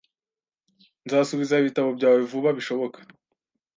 Nzasubiza ibitabo byawe vuba bishoboka